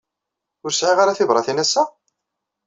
Ur sɛiɣ ara tibṛatin ass-a?